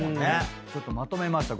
ちょっとまとめました。